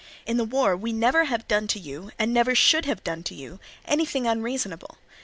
In the war we never have done to you, and never should have done to you, anything unreasonable.